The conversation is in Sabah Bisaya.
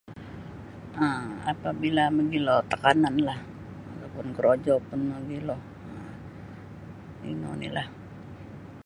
um apabila mogilo tekananlah atau pun korojo pun mogilo um ino onilah.